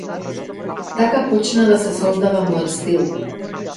Така почна да се создава мојот стил.